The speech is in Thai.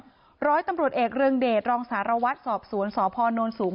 ร้อยตำรวจเอกเรืองเดชรองสารวัตรสอบสวนสพนสูง